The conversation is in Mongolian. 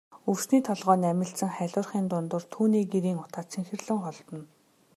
Өвсний толгой намилзан халиурахын дундуур түүний гэрийн утаа цэнхэрлэн холдоно.